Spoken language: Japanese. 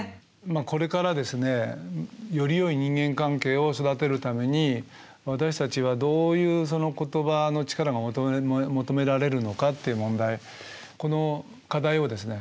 これからですねよりよい人間関係を育てるために私たちはどういう言葉の力が求められるのかっていう問題